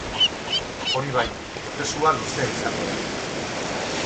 Hori bai, prozesua luzea izango da.